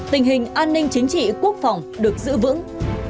tình hình an ninh chính trị quốc phòng được giữ vững